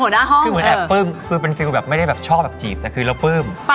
คือเหมือนแอบปลื้มคือเป็นฟิวแบบไม่ได้ชอบแบบจีบแต่คือแล้วปลื้ม